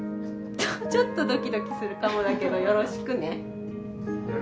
ちょっとドキドキするかもだけどよろしくね。